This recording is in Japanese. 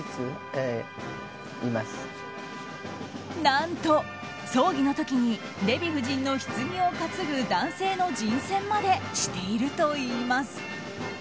何と、葬儀の時にデヴィ夫人のひつぎを担ぐ男性の人選までしているといいます。